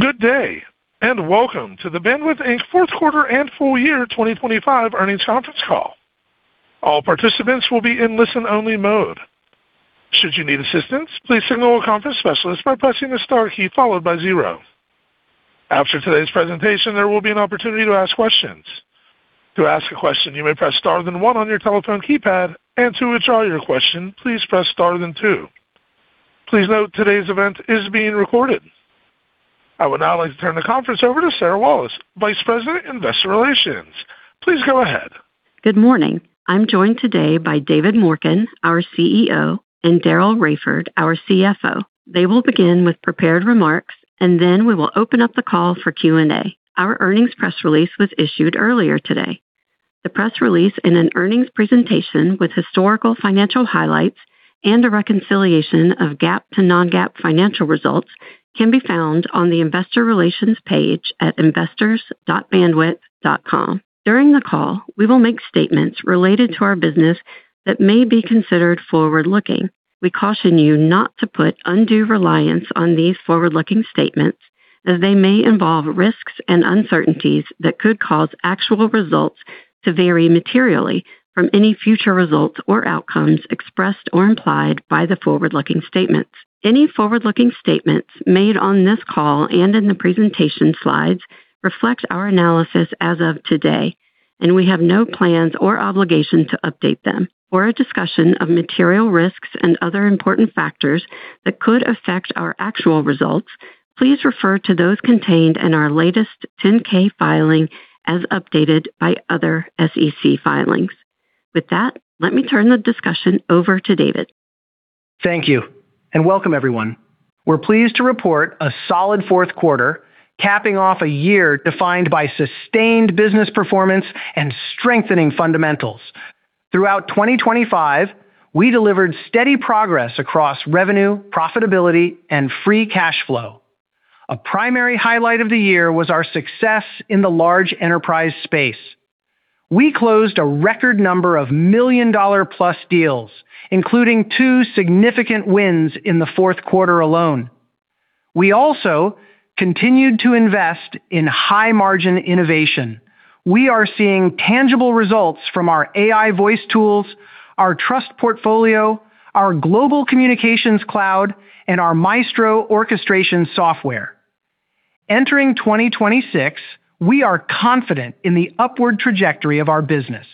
Good day, and welcome to the Bandwidth Inc. Fourth Quarter and Full Year 2025 earnings conference call. All participants will be in listen-only mode. Should you need assistance, please signal a conference specialist by pressing the star key followed by 0. After today's presentation, there will be an opportunity to ask questions. To ask a question, you may press star then one on your telephone keypad, and to withdraw your question, please press star then two. Please note, today's event is being recorded. I would now like to turn the conference over to Sarah Walas, Vice President, Investor Relations. Please go ahead. Good morning. I'm joined today by David Morken, our CEO, and Daryl Raiford, our CFO. They will begin with prepared remarks, and then we will open up the call for Q&A. Our earnings press release was issued earlier today. The press release and an earnings presentation with historical financial highlights and a reconciliation of GAAP to non-GAAP financial results can be found on the Investor Relations page at investors.bandwidth.com. During the call, we will make statements related to our business that may be considered forward-looking. We caution you not to put undue reliance on these forward-looking statements, as they may involve risks and uncertainties that could cause actual results to vary materially from any future results or outcomes expressed or implied by the forward-looking statements. Any forward-looking statements made on this call and in the presentation slides reflect our analysis as of today, and we have no plans or obligation to update them. For a discussion of material risks and other important factors that could affect our actual results, please refer to those contained in our latest 10-K filing as updated by other SEC filings. With that, let me turn the discussion over to David. Thank you, and welcome, everyone. We're pleased to report a solid fourth quarter, capping off a year defined by sustained business performance and strengthening fundamentals. Throughout 2025, we delivered steady progress across revenue, profitability, and free cash flow. A primary highlight of the year was our success in the large enterprise space. We closed a record number of million-dollar plus deals, including two significant wins in the fourth quarter alone. We also continued to invest in high-margin innovation. We are seeing tangible results from our AI voice tools, our trust portfolio, our global communications cloud, and our Maestro orchestration software. Entering 2026, we are confident in the upward trajectory of our business.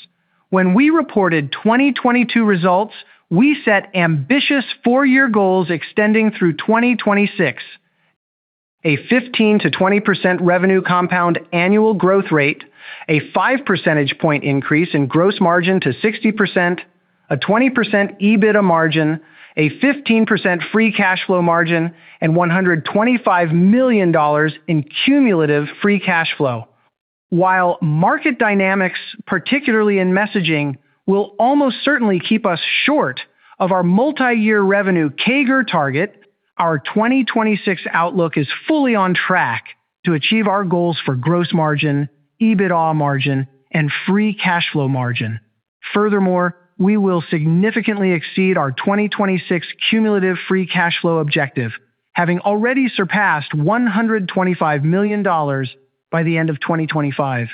When we reported 2022 results, we set ambitious four-year goals extending through 2026: a 15%-20% revenue compound annual growth rate, a 5 percentage point increase in gross margin to 60%, a 20% EBITDA margin, a 15% free cash flow margin, and $125 million in cumulative free cash flow. While market dynamics, particularly in messaging, will almost certainly keep us short of our multi-year revenue CAGR target, our 2026 outlook is fully on track to achieve our goals for gross margin, EBITDA margin, and free cash flow margin. Furthermore, we will significantly exceed our 2026 cumulative free cash flow objective, having already surpassed $125 million by the end of 2025.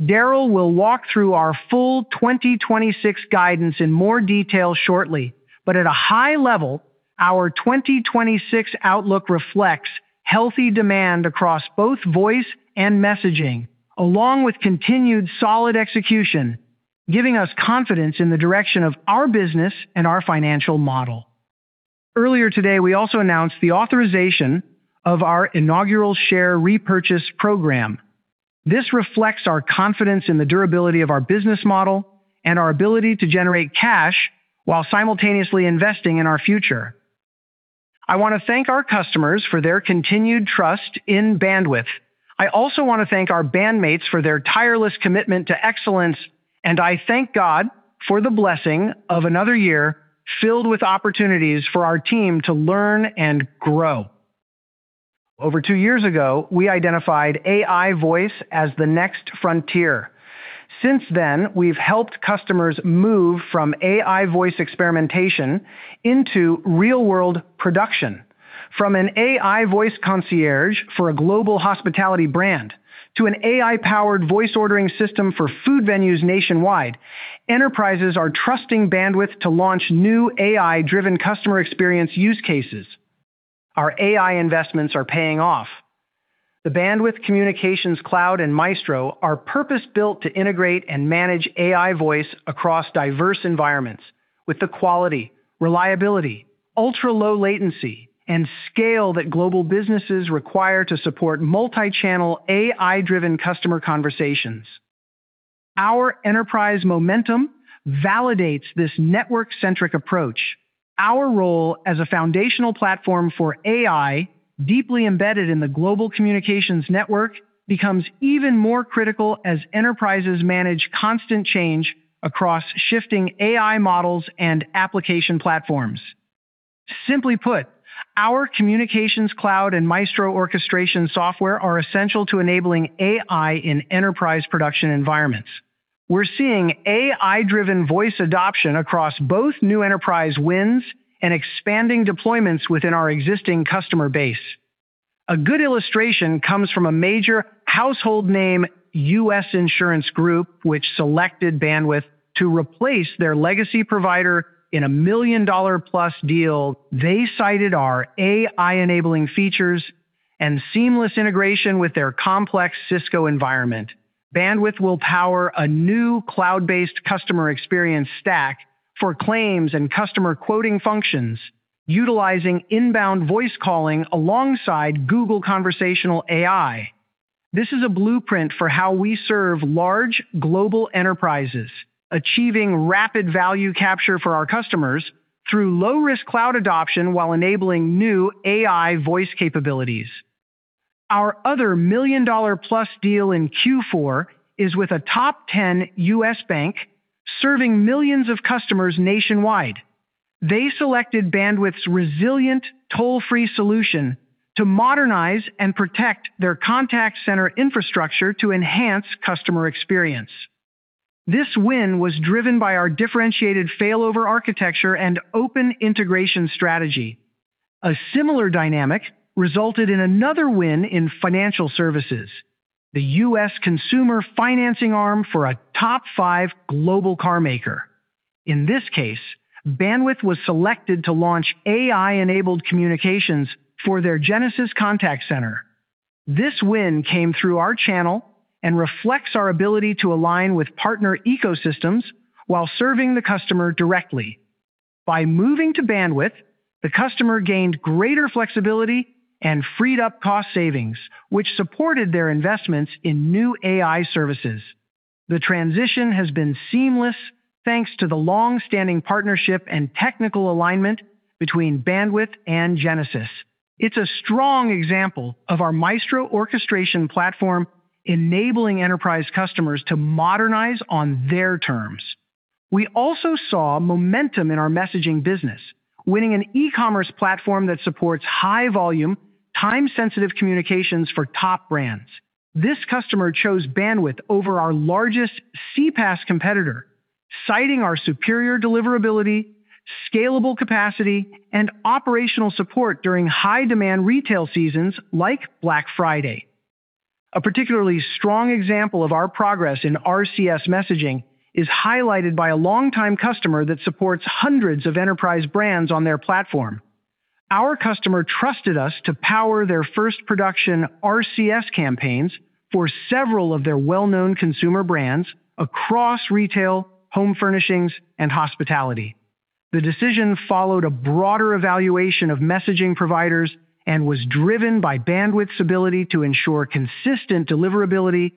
Daryl will walk through our full 2026 guidance in more detail shortly, but at a high level, our 2026 outlook reflects healthy demand across both voice and messaging, along with continued solid execution, giving us confidence in the direction of our business and our financial model. Earlier today, we also announced the authorization of our inaugural share repurchase program. This reflects our confidence in the durability of our business model and our ability to generate cash while simultaneously investing in our future. I want to thank our customers for their continued trust in Bandwidth. I also want to thank our bandmates for their tireless commitment to excellence, and I thank God for the blessing of another year filled with opportunities for our team to learn and grow. Over two years ago, we identified AI voice as the next frontier. Since then, we've helped customers move from AI voice experimentation into real-world production. From an AI voice concierge for a global hospitality brand to an AI-powered voice ordering system for food venues nationwide, enterprises are trusting Bandwidth to launch new AI-driven customer experience use cases. Our AI investments are paying off. The Bandwidth Communications Cloud and Maestro are purpose-built to integrate and manage AI voice across diverse environments with the quality, reliability, ultra-low latency, and scale that global businesses require to support multi-channel AI-driven customer conversations. Our enterprise momentum validates this network-centric approach. Our role as a foundational platform for AI, deeply embedded in the global communications network, becomes even more critical as enterprises manage constant change across shifting AI models and application platforms. Simply put, our Communications Cloud and Maestro orchestration software are essential to enabling AI in enterprise production environments.... We're seeing AI-driven voice adoption across both new enterprise wins and expanding deployments within our existing customer base. A good illustration comes from a major household name, U.S. insurance group, which selected Bandwidth to replace their legacy provider in a million-dollar-plus deal. They cited our AI-enabling features and seamless integration with their complex Cisco environment. Bandwidth will power a new cloud-based customer experience stack for claims and customer quoting functions, utilizing inbound voice calling alongside Google Conversational AI. This is a blueprint for how we serve large global enterprises, achieving rapid value capture for our customers through low-risk cloud adoption while enabling new AI voice capabilities. Our other million-dollar-plus deal in Q4 is with a Top 10 U.S. bank, serving millions of customers nationwide. They selected Bandwidth's resilient toll-free solution to modernize and protect their contact center infrastructure to enhance customer experience. This win was driven by our differentiated failover architecture and open integration strategy. A similar dynamic resulted in another win in financial services, the U.S. consumer financing arm for a top five global car maker. In this case, Bandwidth was selected to launch AI-enabled communications for their Genesys Contact Center. This win came through our channel and reflects our ability to align with partner ecosystems while serving the customer directly. By moving to Bandwidth, the customer gained greater flexibility and freed up cost savings, which supported their investments in new AI services. The transition has been seamless, thanks to the long-standing partnership and technical alignment between Bandwidth and Genesys. It's a strong example of our Maestro orchestration platform, enabling enterprise customers to modernize on their terms. We also saw momentum in our messaging business, winning an e-commerce platform that supports high-volume, time-sensitive communications for top brands. This customer chose Bandwidth over our largest CPaaS competitor, citing our superior deliverability, scalable capacity, and operational support during high-demand retail seasons like Black Friday. A particularly strong example of our progress in RCS messaging is highlighted by a longtime customer that supports hundreds of enterprise brands on their platform. Our customer trusted us to power their first production RCS campaigns for several of their well-known consumer brands across retail, home furnishings, and hospitality. The decision followed a broader evaluation of messaging providers and was driven by Bandwidth's ability to ensure consistent deliverability,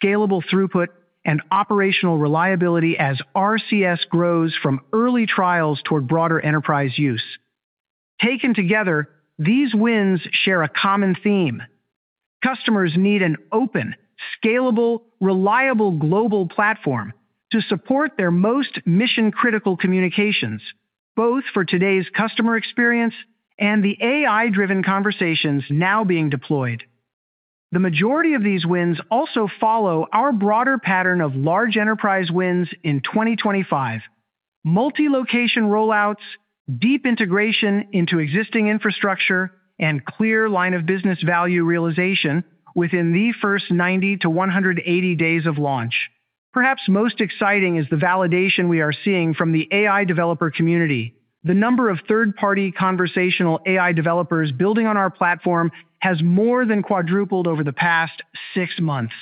scalable throughput, and operational reliability as RCS grows from early trials toward broader enterprise use. Taken together, these wins share a common theme. Customers need an open, scalable, reliable global platform to support their most mission-critical communications, both for today's customer experience and the AI-driven conversations now being deployed. The majority of these wins also follow our broader pattern of large enterprise wins in 2025: multi-location rollouts, deep integration into existing infrastructure, and clear line of business value realization within the first 90-180 days of launch. Perhaps most exciting is the validation we are seeing from the AI developer community. The number of third-party conversational AI developers building on our platform has more than quadrupled over the past six months.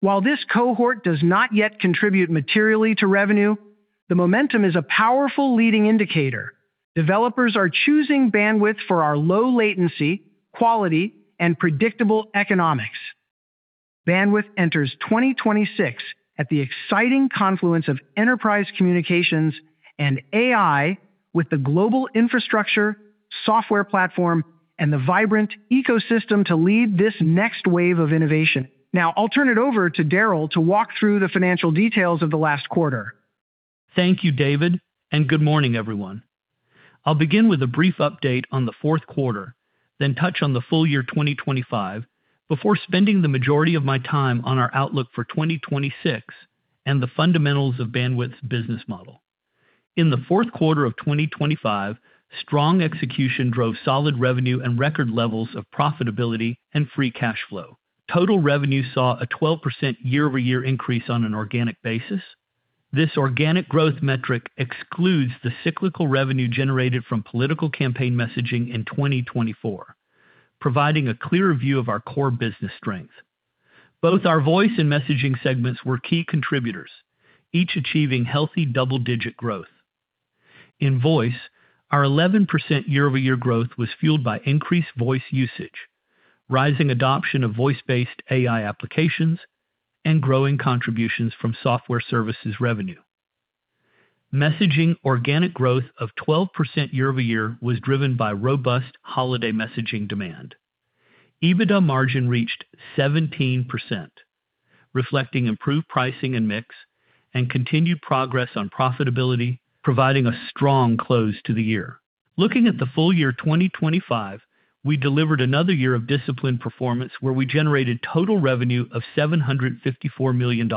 While this cohort does not yet contribute materially to revenue, the momentum is a powerful leading indicator. Developers are choosing Bandwidth for our low latency, quality, and predictable economics. Bandwidth enters 2026 at the exciting confluence of enterprise communications and AI with the global infrastructure, software platform, and the vibrant ecosystem to lead this next wave of innovation. Now, I'll turn it over to Daryl to walk through the financial details of the last quarter. Thank you, David, and good morning, everyone. I'll begin with a brief update on the fourth quarter, then touch on the full year 2025, before spending the majority of my time on our outlook for 2026 and the fundamentals of Bandwidth's business model. In the fourth quarter of 2025, strong execution drove solid revenue and record levels of profitability and free cash flow. Total revenue saw a 12% year-over-year increase on an organic basis. This organic growth metric excludes the cyclical revenue generated from political campaign messaging in 2024, providing a clearer view of our core business strength. Both our voice and messaging segments were key contributors, each achieving healthy double-digit growth. In voice, our 11% year-over-year growth was fueled by increased voice usage, rising adoption of voice-based AI applications, and growing contributions from software services revenue. Messaging, organic growth of 12% year-over-year was driven by robust holiday messaging demand. EBITDA margin reached 17%, reflecting improved pricing and mix and continued progress on profitability, providing a strong close to the year. Looking at the full year 2025,... We delivered another year of disciplined performance, where we generated total revenue of $754 million,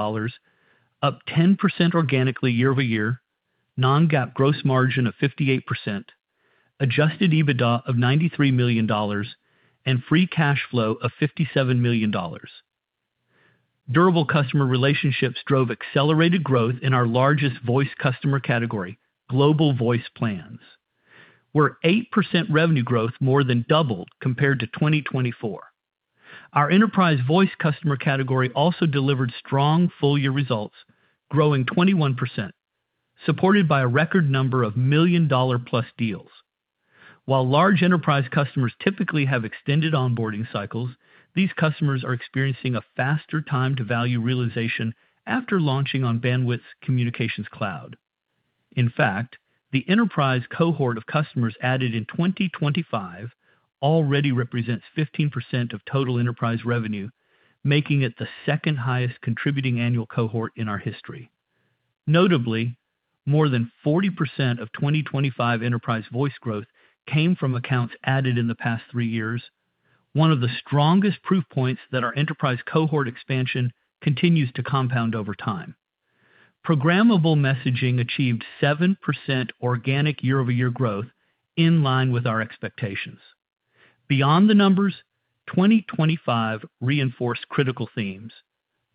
up 10% organically year-over-year, non-GAAP gross margin of 58%, adjusted EBITDA of $93 million, and free cash flow of $57 million. Durable customer relationships drove accelerated growth in our largest voice customer category, Global Voice Plans, where 8% revenue growth more than doubled compared to 2024. Our enterprise voice customer category also delivered strong full-year results, growing 21%, supported by a record number of million-dollar plus deals. While large enterprise customers typically have extended onboarding cycles, these customers are experiencing a faster time to value realization after launching on Bandwidth's Communications Cloud. In fact, the enterprise cohort of customers added in 2025 already represents 15% of total enterprise revenue, making it the second highest contributing annual cohort in our history. Notably, more than 40% of 2025 Enterprise Voice growth came from accounts added in the past three years, one of the strongest proof points that our enterprise cohort expansion continues to compound over time. Programmable Messaging achieved 7% organic year-over-year growth, in line with our expectations. Beyond the numbers, 2025 reinforced critical themes,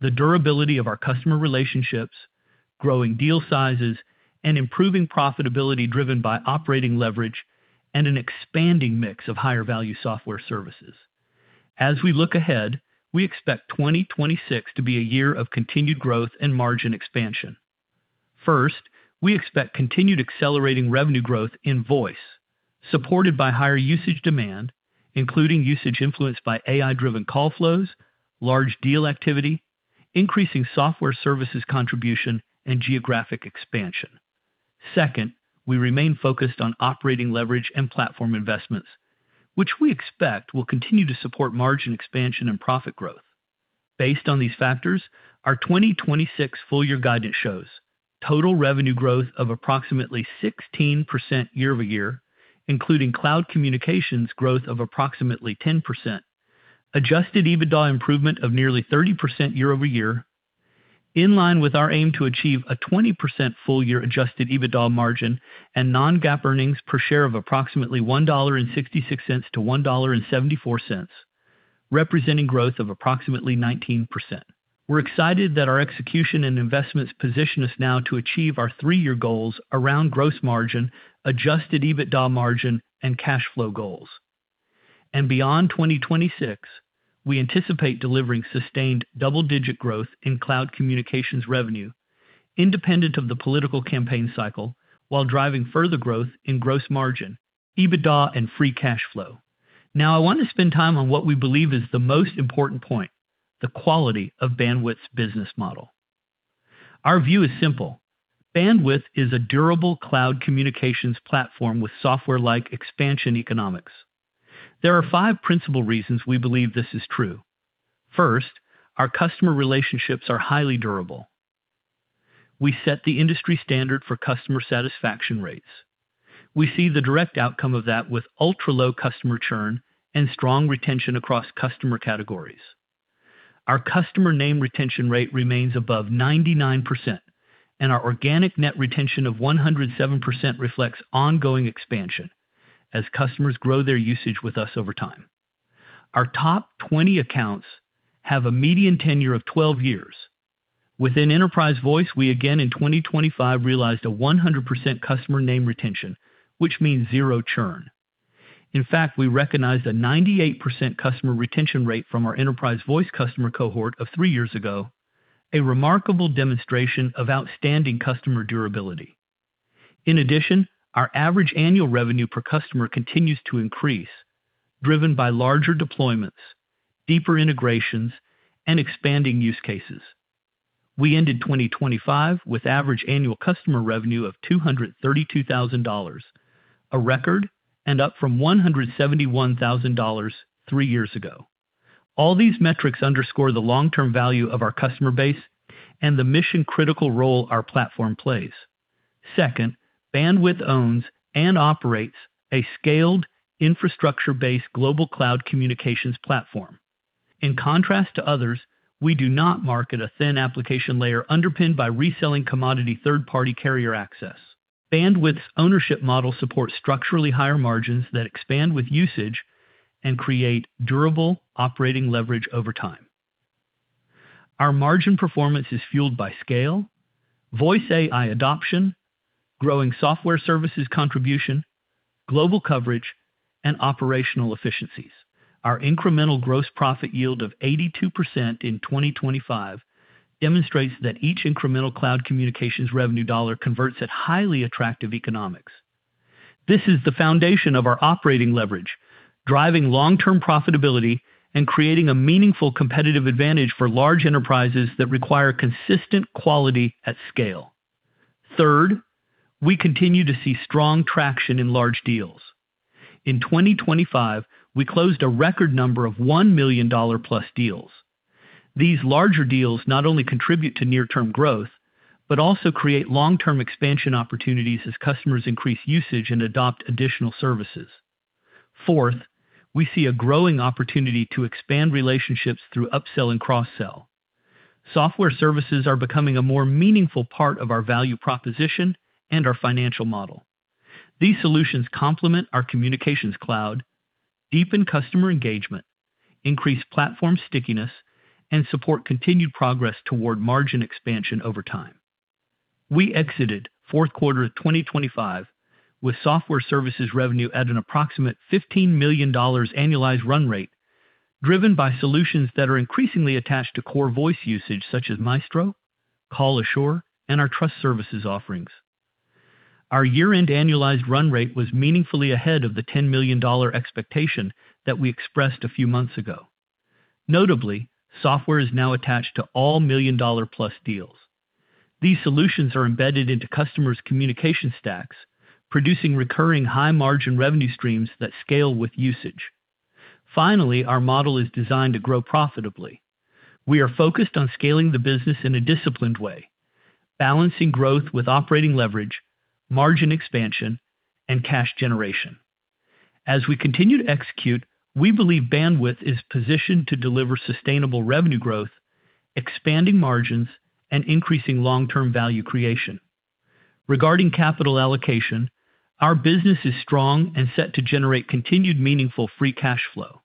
the durability of our customer relationships, growing deal sizes, and improving profitability driven by operating leverage and an expanding mix of higher value software services. As we look ahead, we expect 2026 to be a year of continued growth and margin expansion. First, we expect continued accelerating revenue growth in voice, supported by higher usage demand, including usage influenced by AI-driven call flows, large deal activity, increasing software services contribution, and geographic expansion. Second, we remain focused on operating leverage and platform investments, which we expect will continue to support margin expansion and profit growth. Based on these factors, our 2026 full year guidance shows total revenue growth of approximately 16% year-over-year, including cloud communications growth of approximately 10%. Adjusted EBITDA improvement of nearly 30% year-over-year, in line with our aim to achieve a 20% full year adjusted EBITDA margin and non-GAAP earnings per share of approximately $1.66-$1.74, representing growth of approximately 19%. We're excited that our eexecution and investments position us now to achieve our three-year goals around gross margin, adjusted EBITDA margin, and cash flow goals. Beyond 2026, we anticipate delivering sustained double-digit growth in cloud communications revenue, independent of the political campaign cycle, while driving further growth in gross margin, EBITDA, and free cash flow. Now, I want to spend time on what we believe is the most important point, the quality of Bandwidth's business model. Our view is simple. Bandwidth is a durable cloud communications platform with software-like expansion economics. There are five principal reasons we believe this is true. First, our customer relationships are highly durable. We set the industry standard for customer satisfaction rates. We see the direct outcome of that with ultra-low customer churn and strong retention across customer categories. Our customer name retention rate remains above 99%, and our organic net retention of 107% reflects ongoing expansion as customers grow their usage with us over time. Our top 20 accounts have a median tenure of 12 years. Within Enterprise Voice, we again in 2025 realized a 100% customer name retention, which means zero churn. In fact, we recognized a 98% customer retention rate from our Enterprise Voice customer cohort of three years ago, a remarkable demonstration of outstanding customer durability. In addition, our average annual revenue per customer continues to increase, driven by larger deployments, deeper integrations, and expanding use cases. We ended 2025 with average annual customer revenue of $232,000, a record, and up from $171,000 three years ago. All these metrics underscore the long-term value of our customer base and the mission-critical role our platform plays. Second, Bandwidth owns and operates a scaled, infrastructure-based global cloud communications platform. In contrast to others, we do not market a thin application layer underpinned by reselling commodity third-party carrier access. Bandwidth's ownership model supports structurally higher margins that expand with usage and create durable operating leverage over time. Our margin performance is fueled by scale, voice AI adoption, growing software services contribution, global coverage, and operational efficiencies. Our incremental gross profit yield of 82% in 2025 demonstrates that each incremental cloud communications revenue dollar converts at highly attractive economics. This is the foundation of our operating leverage, driving long-term profitability and creating a meaningful competitive advantage for large enterprises that require consistent quality at scale. Third, we continue to see strong traction in large deals. In 2025, we closed a record number of $1 million+ deals. These larger deals not only contribute to near-term growth, but also create long-term expansion opportunities as customers increase usage and adopt additional services. Fourth, we see a growing opportunity to expand relationships through upsell and cross-sell. Software services are becoming a more meaningful part of our value proposition and our financial model. These solutions complement our communications cloud, deepen customer engagement, increase platform stickiness, and support continued progress toward margin expansion over time. We exited fourth quarter of 2025 with software services revenue at an approximate $15 million annualized run rate, driven by solutions that are increasingly attached to core voice usage, such as Maestro, CallAssure, and our Trust Services offerings. Our year-end annualized run rate was meaningfully ahead of the $10 million expectation that we expressed a few months ago. Notably, software is now attached to all million-dollar-plus deals. These solutions are embedded into customers' communication stacks, producing recurring high-margin revenue streams that scale with usage. Finally, our model is designed to grow profitably. We are focused on scaling the business in a disciplined way, balancing growth with operating leverage, margin expansion, and cash generation. As we continue to execute, we believe Bandwidth is positioned to deliver sustainable revenue growth, expanding margins, and increasing long-term value creation. Regarding capital allocation, our business is strong and set to generate continued meaningful free cash flow.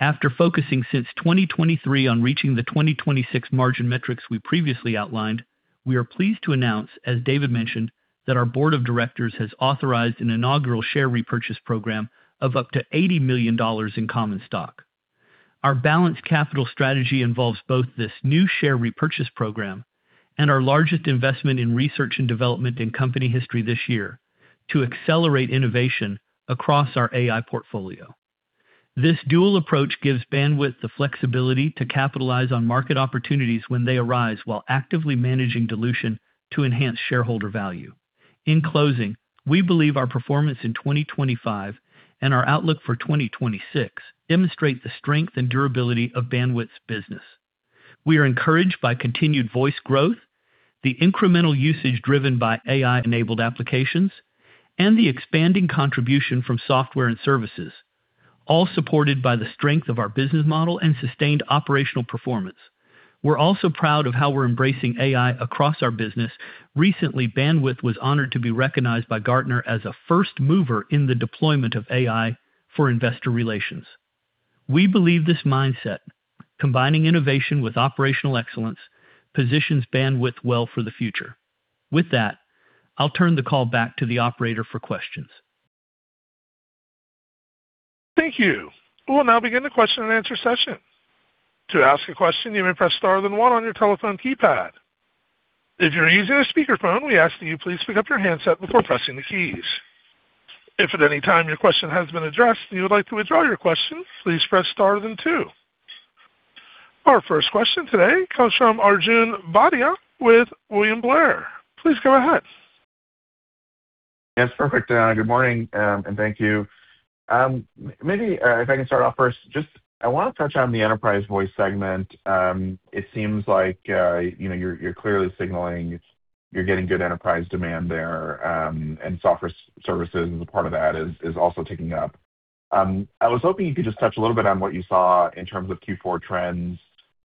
After focusing since 2023 on reaching the 2026 margin metrics we previously outlined, we are pleased to announce, as David mentioned, that our board of directors has authorized an inaugural share repurchase program of up to $80 million in common stock. Our balanced capital strategy involves both this new share repurchase program and our largest investment in research and development in company history this year to accelerate innovation across our AI portfolio. This dual approach gives Bandwidth the flexibility to capitalize on market opportunities when they arise, while actively managing dilution to enhance shareholder value. In closing, we believe our performance in 2025 and our outlook for 2026 demonstrate the strength and durability of Bandwidth's business. We are encouraged by continued voice growth, the incremental usage driven by AI-enabled applications, and the expanding contribution from software and services, all supported by the strength of our business model and sustained operational performance. We're also proud of how we're embracing AI across our business. Recently, Bandwidth was honored to be recognized by Gartner as a first mover in the deployment of AI for investor relations. We believe this mindset, combining innovation with operational excellence, positions Bandwidth well for the future. With that, I'll turn the call back to the operator for questions. Thank you. We'll now begin the question-and-answer session. To ask a question, you may press star then one on your telephone keypad. If you're using a speakerphone, we ask that you please pick up your handset before pressing the keys. If at any time your question has been addressed and you would like to withdraw your question, please press star then two. Our first question today comes from Arjun Bhatia with William Blair. Please go ahead. Yes, perfect. Good morning, and thank you. Maybe, if I can start off first, just I want to touch on the Enterprise Voice segment. It seems like, you know, you're, you're clearly signaling you're getting good enterprise demand there, and software services, as a part of that, is, is also ticking up. I was hoping you could just touch a little bit on what you saw in terms of Q4 trends,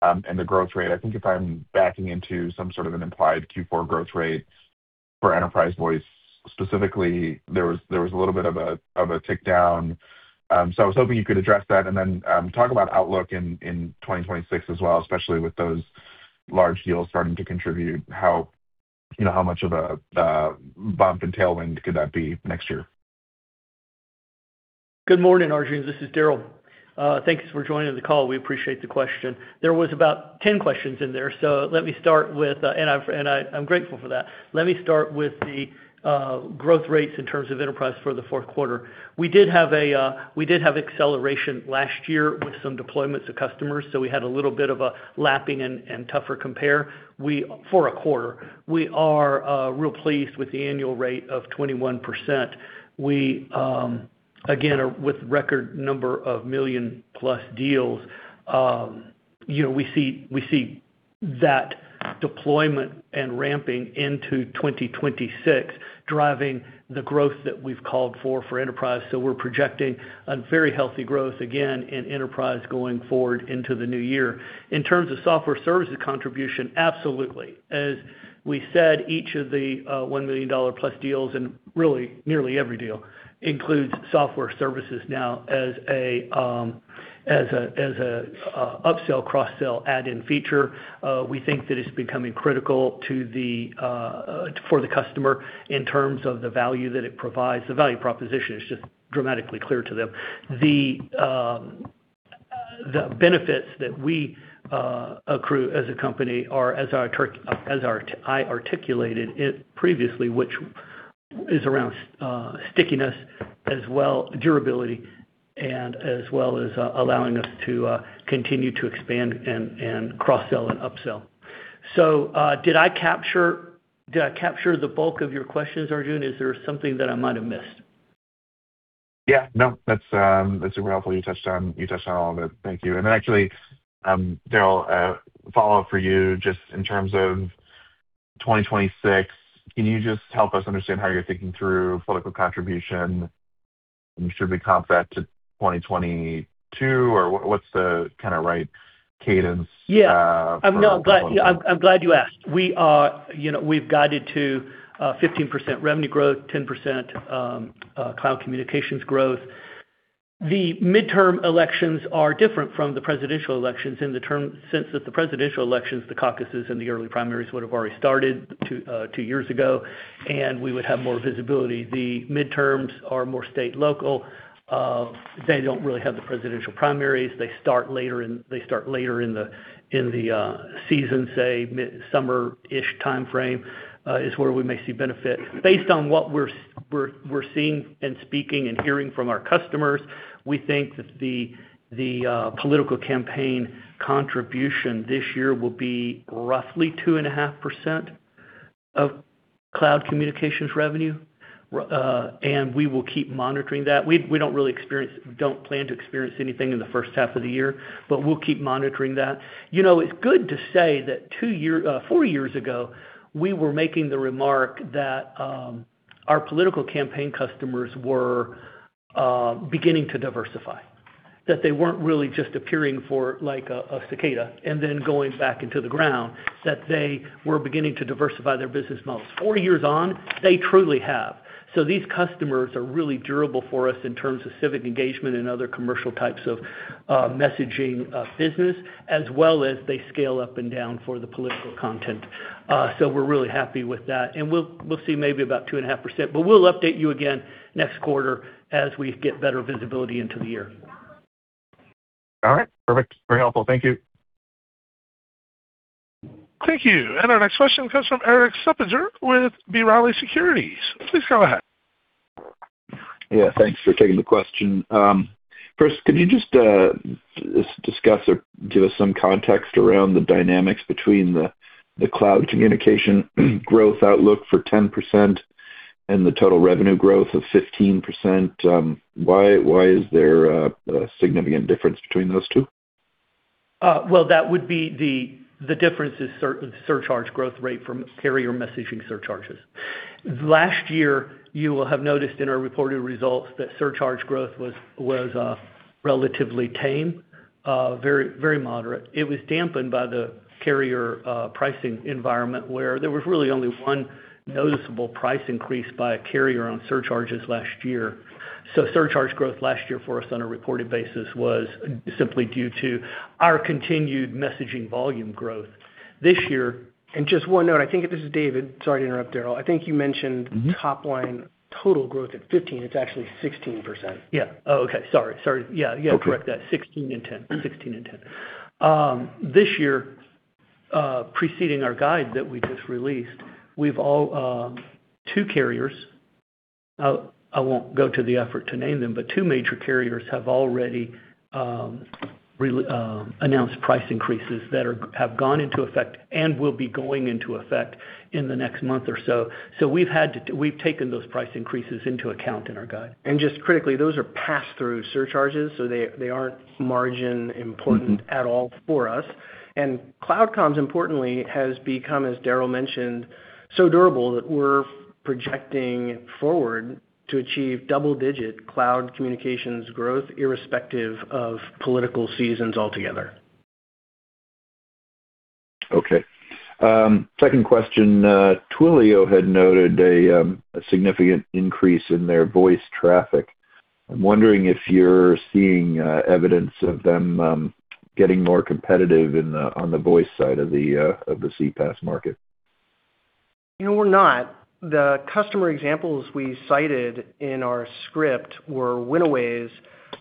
and the growth rate. I think if I'm backing into some sort of an implied Q4 growth rate for Enterprise Voice, specifically, there was, there was a little bit of a, of a tick down. So I was hoping you could address that and then, talk about outlook in, in 2026 as well, especially with those large deals starting to contribute. How, you know, how much of a bump and tailwind could that be next year? Good morning, Arjun. This is Daryl. Thanks for joining the call. We appreciate the question. There was about 10 questions in there, so let me start with... I'm grateful for that. Let me start with the growth rates in terms of enterprise for the fourth quarter. We did have a we did have acceleration last year with some deployments to customers, so we had a little bit of a lapping and, and tougher compare. We-- for a quarter. We are real pleased with the annual rate of 21%. We again, are with record number of million-plus deals. You know, we see, we see that deployment and ramping into 2026, driving the growth that we've called for for enterprise. So we're projecting a very healthy growth again in enterprise going forward into the new year. In terms of software services contribution, absolutely. As we said, each of the $1 million-plus deals, and really nearly every deal, includes software services now as a upsell, cross-sell add-in feature. We think that it's becoming critical to the for the customer in terms of the value that it provides. The value proposition is just dramatically clear to them. The benefits that we accrue as a company are, as I articulated it previously, which is around stickiness, as well, durability, and as well as allowing us to continue to expand and, and cross-sell and upsell. So, did I capture, did I capture the bulk of your questions, Arjun? Is there something that I might have missed? Yeah, no, that's super helpful. You touched on, you touched on all of it. Thank you. And then actually, Daryl, a follow-up for you, just in terms of 2026, can you just help us understand how you're thinking through political contribution? We should be comp that to 2022, or what, what's the kind of right cadence? Yeah. I'm glad, I'm glad you asked. We are, you know, we've guided to 15% revenue growth, 10% cloud communications growth. The midterm elections are different from the presidential elections in the term, since that the presidential elections, the caucuses, and the early primaries would have already started two years ago, and we would have more visibility. The midterms are more state local. They don't really have the presidential primaries. They start later in the season, say, mid-summer-ish timeframe, is where we may see benefit. Based on what we're seeing and speaking and hearing from our customers, we think that the political campaign contribution this year will be roughly 2.5% of cloud communications revenue. And we will keep monitoring that. We don't really experience—don't plan to experience anything in the first half of the year, but we'll keep monitoring that. You know, it's good to say that two year, four years ago, we were making the remark that our political campaign customers were beginning to diversify. That they weren't really just appearing for like a cicada and then going back into the ground, that they were beginning to diversify their business models. Four years on, they truly have. So these customers are really durable for us in terms of civic engagement and other commercial types of messaging business, as well as they scale up and down for the political content. So we're really happy with that, and we'll see maybe about 2.5%, but we'll update you again next quarter as we get better visibility into the year. All right. Perfect. Very helpful. Thank you. Thank you. And our next question comes from Erik Suppiger with B. Riley Securities. Please go ahead. Yeah, thanks for taking the question. First, can you just discuss or give us some context around the dynamics between the cloud communication growth outlook for 10% and the total revenue growth of 15%? Why is there a significant difference between those two? Well, that would be the difference is the surcharge growth rate from carrier messaging surcharges. Last year, you will have noticed in our reported results that surcharge growth was relatively tame, very, very moderate. It was dampened by the carrier pricing environment, where there was really only one noticeable price increase by a carrier on surcharges last year. So surcharge growth last year for us on a reported basis was simply due to our continued messaging volume growth. This year- Just one note, I think this is David. Sorry to interrupt, Daryl. I think you mentioned- Mm-hmm. Top line total growth at 15%. It's actually 16%. Yeah. Oh, okay. Sorry, sorry. Yeah, yeah. Okay. Correct, that 16% and 10%, 16% and 10%. This year, preceding our guide that we just released, two carriers, I won't go to the effort to name them, but two major carriers have already announced price increases that have gone into effect and will be going into effect in the next month or so. So we've taken those price increases into account in our guide. Just critically, those are passed through surcharges, so they aren't margin important- Mm-hmm. at all for us. Cloud Comms, importantly, has become, as Daryl mentioned, so durable that we're projecting forward to achieve double-digit cloud communications growth, irrespective of political seasons altogether. Okay. Second question, Twilio had noted a significant increase in their voice traffic. I'm wondering if you're seeing evidence of them getting more competitive on the voice side of the CPaaS market. You know, we're not. The customer examples we cited in our script were winaways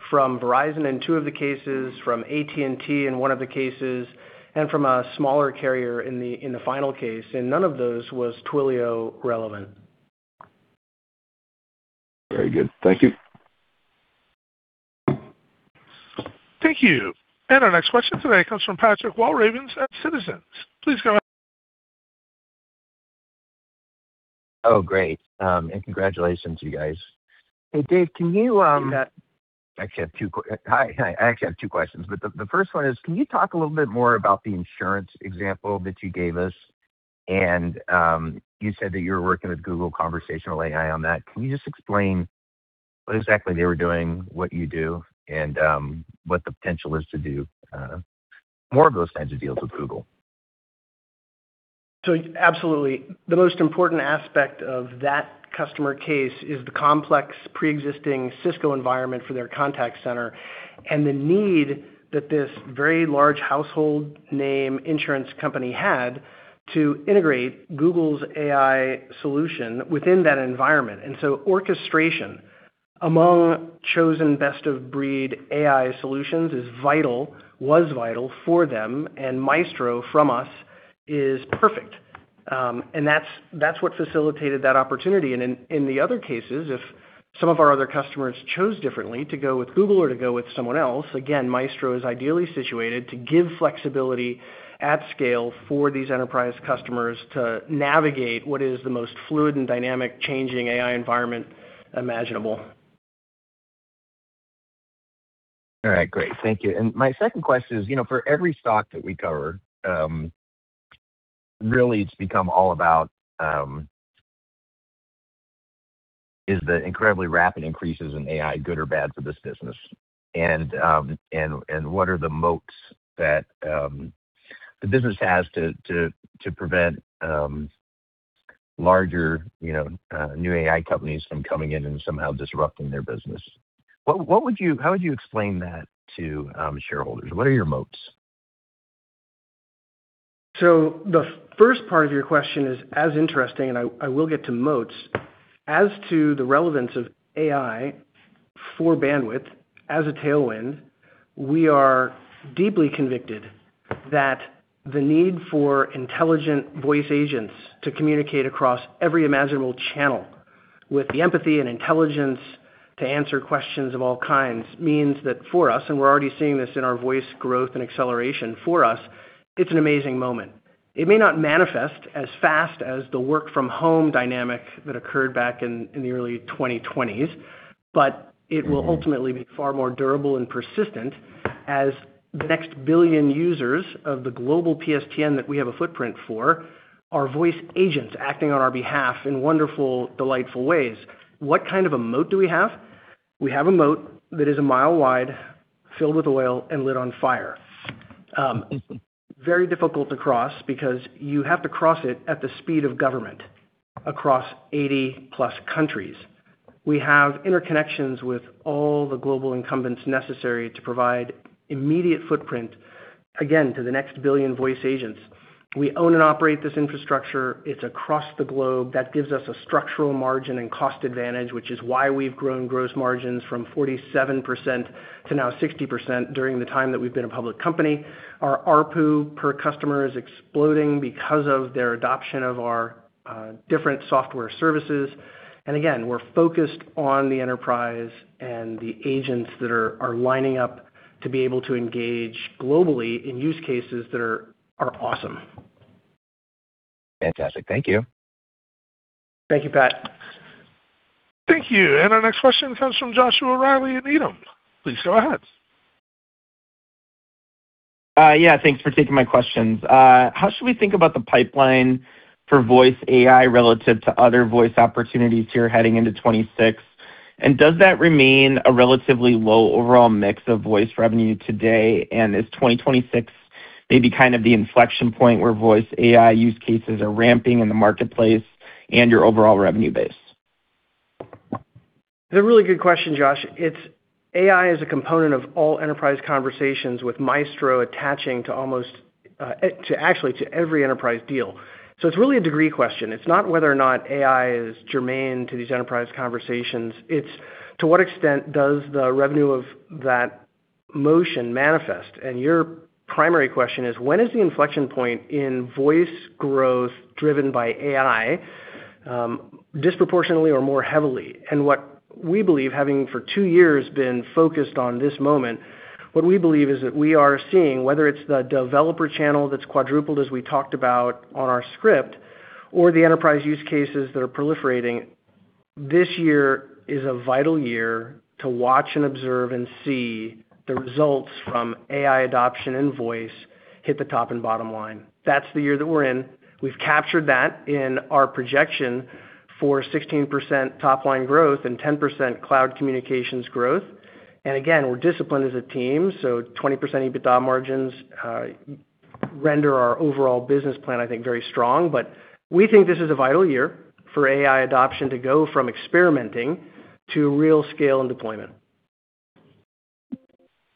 from Verizon and two of the cases from AT&T in one of the cases, and from a smaller carrier in the final case, and none of those was Twilio relevant. Very good. Thank you. Thank you. And our next question today comes from Patrick Walravens at Citizens. Please go ahead. Oh, great, and congratulations to you guys. Hey, Dave, can you, I actually have two questions, but the first one is, can you talk a little bit more about the insurance example that you gave us? And you said that you were working with Google Conversational AI on that. Can you just explain what exactly they were doing, what you do, and what the potential is to do more of those types of deals with Google? So absolutely. The most important aspect of that customer case is the complex pre-existing Cisco environment for their contact center and the need that this very large household name insurance company had to integrate Google's AI solution within that environment. And so orchestration among chosen best of breed AI solutions is vital, was vital for them, and Maestro from us is perfect. And that's what facilitated that opportunity. And in the other cases, if some of our other customers chose differently to go with Google or to go with someone else, again, Maestro is ideally situated to give flexibility at scale for these enterprise customers to navigate what is the most fluid and dynamic changing AI environment imaginable.... All right, great. Thank you. And my second question is, you know, for every stock that we cover, really it's become all about, is the incredibly rapid increases in AI good or bad for this business? And, and what are the moats that the business has to, to prevent, larger, you know, new AI companies from coming in and somehow disrupting their business? What, what would you-- how would you explain that to, shareholders? What are your moats? So the first part of your question is as interesting, and I, I will get to moats. As to the relevance of AI for Bandwidth as a tailwind, we are deeply convicted that the need for intelligent voice agents to communicate across every imaginable channel with the empathy and intelligence to answer questions of all kinds, means that for us, and we're already seeing this in our voice growth and acceleration, for us, it's an amazing moment. It may not manifest as fast as the work-from-home dynamic that occurred back in, in the early 2020s, but it will ultimately be far more durable and persistent as the next billion users of the global PSTN that we have a footprint for, are voice agents acting on our behalf in wonderful, delightful ways. What kind of a moat do we have? We have a moat that is a mile wide, filled with oil and lit on fire. Very difficult to cross because you have to cross it at the speed of government across 80+ countries. We have interconnections with all the global incumbents necessary to provide immediate footprint, again, to the next billion voice agents. We own and operate this infrastructure. It's across the globe. That gives us a structural margin and cost advantage, which is why we've grown gross margins from 47% to 60% during the time that we've been a public company. Our ARPU per customer is exploding because of their adoption of our different software services. And again, we're focused on the enterprise and the agents that are lining up to be able to engage globally in use cases that are awesome. Fantastic. Thank you. Thank you, Pat. Thank you. And our next question comes from Joshua Reilly at Needham. Please go ahead. Yeah, thanks for taking my questions. How should we think about the pipeline for voice AI relative to other voice opportunities here heading into 2026? And does that remain a relatively low overall mix of voice revenue today, and is 2026 maybe kind of the inflection point where voice AI use cases are ramping in the marketplace and your overall revenue base? It's a really good question, Josh. AI is a component of all enterprise conversations with Maestro attaching to almost to actually to every enterprise deal. So it's really a degree question. It's not whether or not AI is germane to these enterprise conversations; it's to what extent does the revenue of that motion manifest? And your primary question is, when is the inflection point in voice growth driven by AI disproportionately or more heavily? And what we believe, having for two years been focused on this moment, what we believe is that we are seeing whether it's the developer channel that's quadrupled, as we talked about on our script, or the enterprise use cases that are proliferating; this year is a vital year to watch and observe and see the results from AI adoption and voice hit the top and bottom line. That's the year that we're in. We've captured that in our projection for 16% top line growth and 10% cloud communications growth. And again, we're disciplined as a team, so 20% EBITDA margins render our overall business plan, I think, very strong. But we think this is a vital year for AI adoption to go from experimenting to real scale and deployment.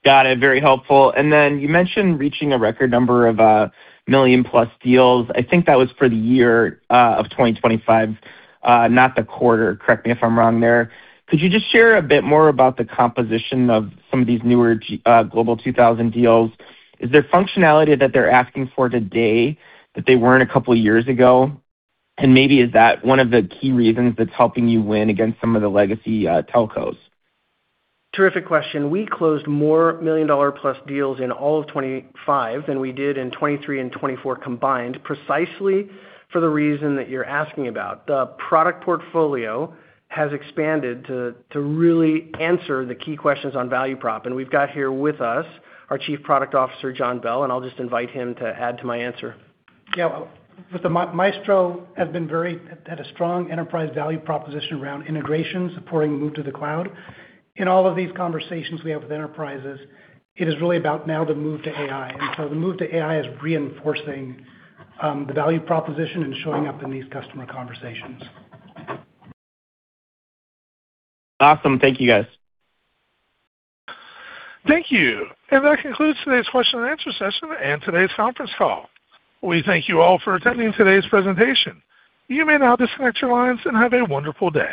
Got it. Very helpful. And then you mentioned reaching a record number of million-plus deals. I think that was for the year of 2025, not the quarter. Correct me if I'm wrong there. Could you just share a bit more about the composition of some of these Newer Global 2000 deals? Is there functionality that they're asking for today that they weren't a couple of years ago? And maybe, is that one of the key reasons that's helping you win against some of the legacy telcos? Terrific question. We closed more million-dollar-plus deals in all of 2025 than we did in 2023 and 2024 combined, precisely for the reason that you're asking about. The product portfolio has expanded to really answer the key questions on value prop. We've got here with us our Chief Product Officer, John Bell, and I'll just invite him to add to my answer. Yeah. With the Maestro have been very, at a strong enterprise value proposition around integration, supporting the move to the cloud. In all of these conversations we have with enterprises, it is really about now the move to AI. The move to AI is reinforcing the value proposition and showing up in these customer conversations. Awesome. Thank you, guys. Thank you. That concludes today's question and answer session and today's conference call. We thank you all for attending today's presentation. You may now disconnect your lines and have a wonderful day.